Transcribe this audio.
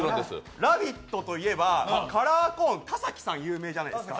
「ラヴィット！」といえばカラーコーン、田崎さん有名じゃないですか。